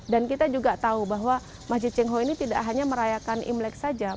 kita juga tahu bahwa masjid cengho ini tidak hanya merayakan imlek saja